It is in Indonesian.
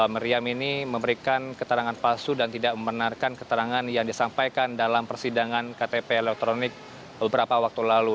meriam ini memberikan keterangan palsu dan tidak membenarkan keterangan yang disampaikan dalam persidangan ktp elektronik beberapa waktu lalu